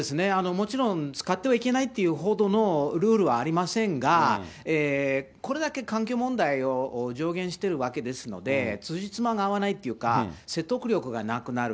もちろん使ってはいけないっていうほどのルールもありませんが、これだけ環境問題を助言してるわけですので、つじつまが合わないっていうか、説得力がなくなる。